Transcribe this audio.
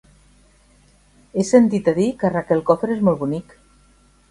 He sentit a dir que Rafelcofer és molt bonic.